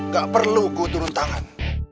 gak perlu gue turun tangan